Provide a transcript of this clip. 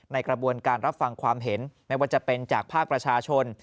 ในกระบวนการรับฟังความเห็นไม่ว่าจะเป็นจากภาคประชาชน